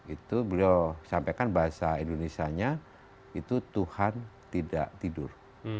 itu beliau sampaikan bahasa indonesia nya itu tuhan tidak tidur